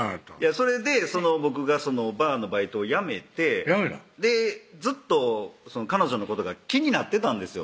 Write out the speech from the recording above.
それで僕がＢＡＲのバイトを辞めてでずっと彼女のことが気になってたんですよ